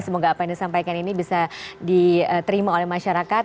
semoga apa yang disampaikan ini bisa diterima oleh masyarakat